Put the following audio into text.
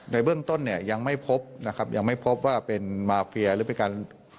ในเบื้องต้นเนี่ยยังไม่พบนะครับยังไม่พบว่าเป็นมาเฟียหรือเป็นการ